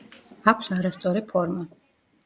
აქვს არასწორი ფორმა.